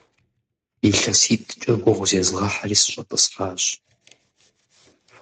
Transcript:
ИлъэситӀкӀэ гугъу зезгъэхьри, сыщӀэтӀысхьащ.